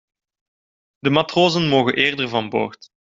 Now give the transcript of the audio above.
De matrozen mogen eerder van boord.